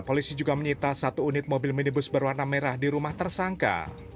polisi juga menyita satu unit mobil minibus berwarna merah di rumah tersangka